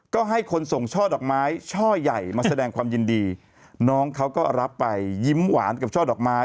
ก็ให้คนส่งช่อดอกไม้ช่อใหญ่มาแสดงความยินดีน้องเขาก็รับไปยิ้มหวานกับช่อดอกไม้